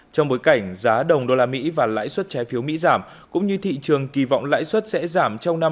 trong bối cảnh giá đồng usd và lãi suất trái phiếu mỹ giảm cũng như thị trường kỳ vọng lãi suất sẽ giảm trong năm hai nghìn hai mươi bốn